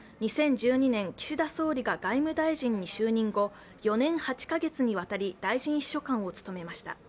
２０１２年、岸田総理が外務大臣に就任後４年８カ月にわたり大臣秘書官を務めました。